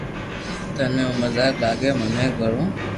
ٿني تو مزاق لاگي مني گھڙو